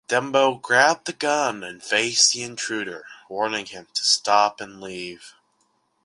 Dembo grabbed a gun and faced the intruder, warning him to stop and leave.